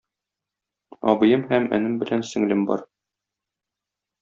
Абыем һәм энем белән сеңлем бар.